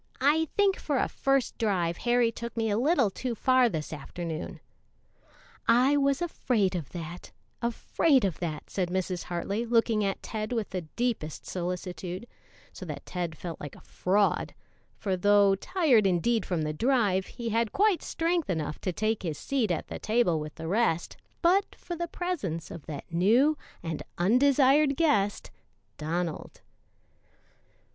I think for a first drive Harry took me a little too far this afternoon." "I was afraid of that afraid of that," said Mrs. Hartley, looking at Ted with the deepest solicitude, so that Ted felt like a fraud, for though tired indeed from the drive, he had quite strength enough to take his seat at the table with the rest but for the presence of that new and undesired guest, Donald.